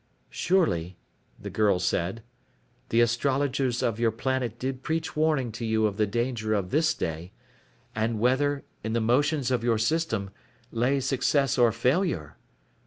"Surely," the girl said, "the astrologers of your planet did preach warning to you of the danger of this day, and whether, in the motions of your system, lay success or failure.